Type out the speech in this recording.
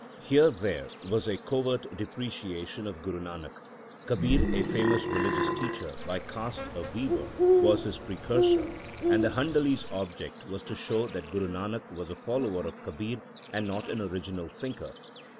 Here there was a covert depreciation of Guru Nanak. Kabir, a famous religious teacher, by caste a weaver, was his precursor, and the Handali s object was to show that Guru Nanak was a follower of Kabir and not an original thinker.